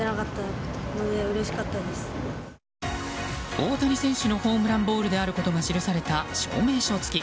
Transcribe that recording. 大谷選手のホームランボールであることが記された証明書付き。